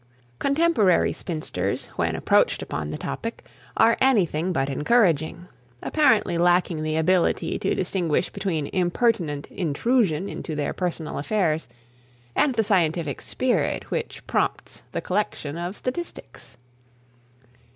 Contemporary spinsters, when approached upon the topic, are anything but encouraging; apparently lacking the ability to distinguish between impertinent intrusion into their personal affairs and the scientific spirit which prompts the collection of statistics.